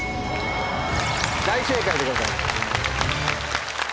⁉大正解でございます。